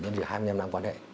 những hai mươi năm năm quan hệ